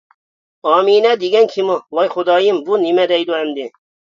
ئامىنە دېگەن كىمۇ؟ ۋاي خۇدايىم بۇ نېمە دەيدۇ ئەمدى!